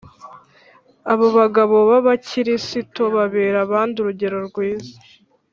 Abo bagabo b Abakirisito babera abandi urugero rwiza